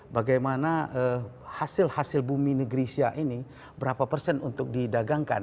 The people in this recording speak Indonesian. bagaimana hasil hasil bumi negeri siak ini berapa persen untuk didagangkan